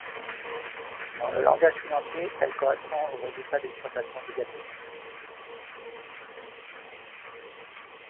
Dans le langage financier, elle correspond à un résultat d'exploitation négatif.